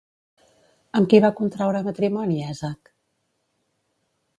Amb qui va contraure matrimoni Èsac?